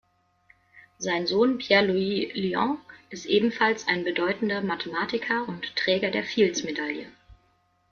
Sein Sohn Pierre-Louis Lions ist ebenfalls ein bedeutender Mathematiker und Träger der Fields-Medaille.